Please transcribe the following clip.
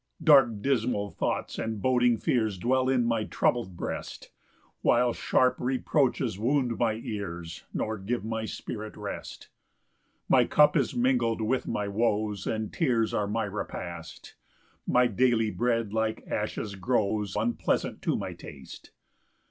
6 Dark dismal thoughts and boding fears Dwell in my troubled breast; While sharp reproaches wound my ears, Nor give my spirit rest. 7 My cup is mingled with my woes, And tears are my repast; My daily bread like ashes grows Unpleasant to my taste.